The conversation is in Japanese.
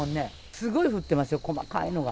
すごく降ってますよ細かいのが。